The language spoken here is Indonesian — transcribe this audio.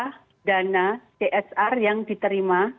dan yang diterima oleh pihak pihak yang diterima oleh pihak pihak yang diterima